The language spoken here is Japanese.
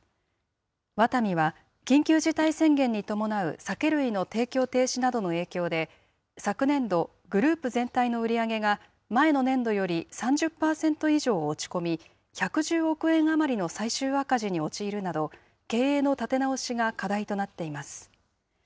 ワタミは緊急事態宣言に伴う酒類の提供停止などの影響で、昨年度、グループ全体の売り上げが前の年度より３０％以上落ち込み、１１０億円余りの最終赤字に陥るなど、経営の立て直しが課題となっています。